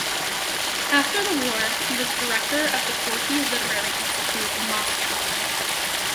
After the war, he was director of the Gorky Literary Institute in Moscow.